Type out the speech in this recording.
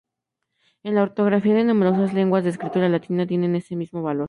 En la ortografía de numerosas lenguas de escritura latina, tiene ese mismo valor.